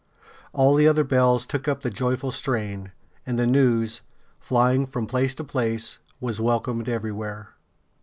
All the other bells took up the joyful strain, and the news, flying from place to place, was welcomed everywhere.